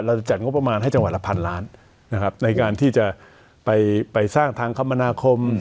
จัดงบประมาณให้จังหวัดละพันล้านนะครับในการที่จะไปสร้างทางคมนาคม